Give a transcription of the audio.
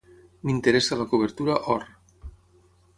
M'interessa la cobertura Or.